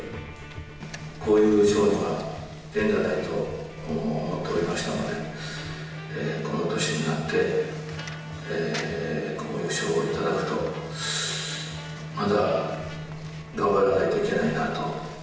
こういう賞には縁がないと思っておりましたので、この年になってこういう賞を頂くと、まだ頑張らないといけないなと。